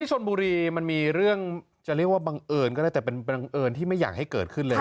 ชนบุรีมันมีเรื่องจะเรียกว่าบังเอิญก็ได้แต่เป็นบังเอิญที่ไม่อยากให้เกิดขึ้นเลย